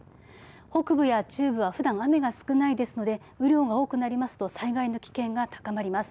北部や中部はふだん雨が少ないですので雨量が多くなりますと災害の危険が高まります。